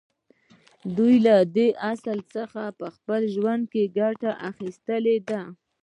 دوی له دې اصل څخه په خپل ژوند کې ګټه اخیستې ده